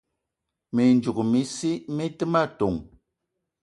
Mi ndzouk mi te ma ton: